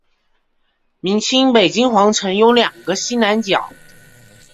明清北京皇城有两个西南角。